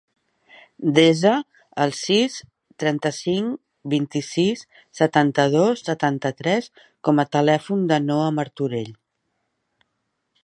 Desa el sis, trenta-cinc, vint-i-sis, setanta-dos, setanta-tres com a telèfon del Noah Martorell.